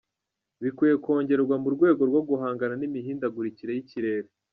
Bukwiye kongerwa mu rwego rwo guhangana n’imihindagurikire y’ikirere.